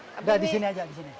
sudah di sini saja di sini